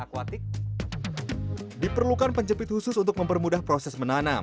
diperlukan penjepit khusus untuk mempermudah proses menanam